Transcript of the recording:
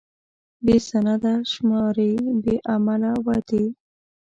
بې سنده شمارې، بې عمله وعدې.